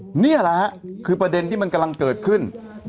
นี่แหละฮะคือประเด็นที่มันกำลังเกิดขึ้น